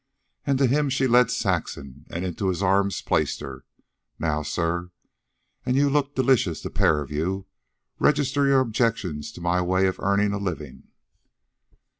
And to him she led Saxon, and into his arms placed her. "Now, sir and you look delicious, the pair of you register your objections to my way of earning a living."